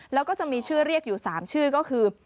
แล้วก็จะมีชื่อเรียกอยู่๓ชื่อก็คือ